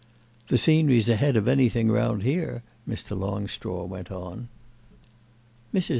"The scenery's ahead of anything round here," Mr. Longstraw went on. Mrs.